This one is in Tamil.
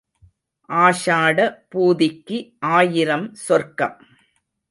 ஆஷாட பூதிக்கு ஆயிரம் சொர்க்கம்.